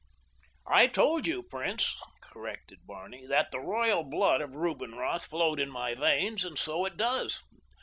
"I told you, prince," corrected Barney, "that the royal blood of Rubinroth flowed in my veins, and so it does.